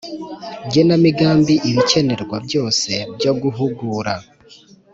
genamigambi ibikenerwa byose byo guhugura